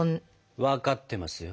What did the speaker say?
分かってますよ。